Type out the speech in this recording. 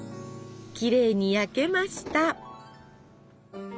きれいに焼けました。